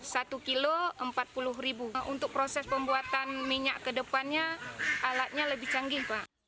satu kilo empat puluh untuk proses pembuatan minyak kedepannya alatnya lebih canggih